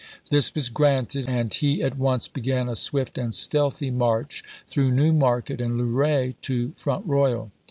This was gi'anted, and he at once began a swift and stealthy march through New Market and Luray to Front Royal.